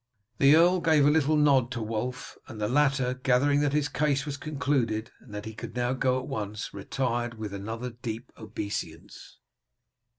The earl gave a little nod to Wulf, and the latter, gathering that his case was concluded, and that he could now go at once, retired with another deep obeisance.